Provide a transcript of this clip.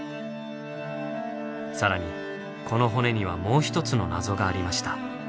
更にこの骨にはもう一つの謎がありました。